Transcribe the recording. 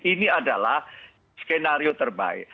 ini adalah skenario terbaik